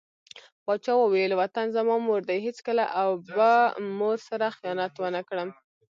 پاچا وويل: وطن زما مور دى هېڅکله او به مور سره خيانت ونه کړم .